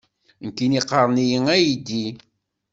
Nekkini qqaren-iyi aydi!